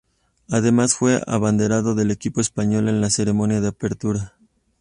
Además fue el abanderado del equipo español en la ceremonia de apertura.